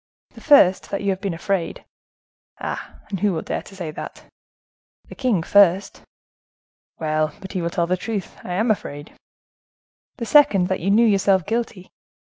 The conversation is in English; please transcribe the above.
"The first, that you have been afraid." "Ah! and who will dare to say that?" "The king first." "Well! but he will tell the truth,—I am afraid." "The second, that you knew yourself guilty."